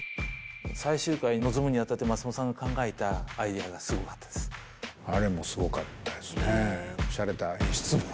最終回に臨むにあたって、松本さんが考えたアイデアがすごあれもすごかったですね。